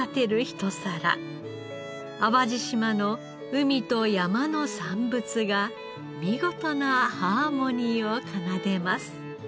淡路島の海と山の産物が見事なハーモニーを奏でます。